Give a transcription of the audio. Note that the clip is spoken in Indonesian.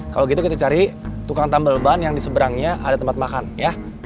kalau gitu kita cari tukang nambel ban yang di seberangnya ada tempat makan ya